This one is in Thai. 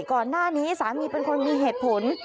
ก่อนหน้านี้สามีเป็นคนมีเหตุผล